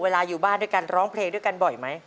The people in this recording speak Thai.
อยู่บ้านด้วยกันร้องเพลงด้วยกันบ่อยไหม